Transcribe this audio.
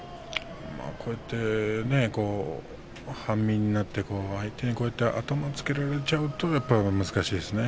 こうやって半身になって相手に頭をつけられちゃうと難しいですね。